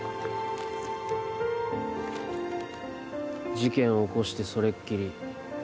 事件を起こしてそれっきり。